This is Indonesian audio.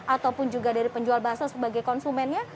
ataupun juga dari penjual bakso sebagai konsumennya